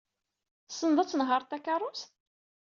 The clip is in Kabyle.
Tessned ad tnehṛed takeṛṛust?